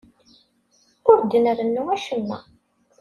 Ur d-nrennu acemma.